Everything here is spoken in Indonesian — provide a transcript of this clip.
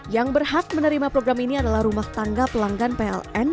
yang berhak menerima program ini adalah rumah tangga pelanggan pln